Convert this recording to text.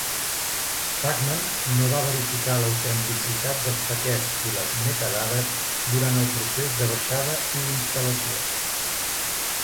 Pacman no va verificar l'autenticitat dels paquets i les metadades durant el procés de baixada i instal·lació.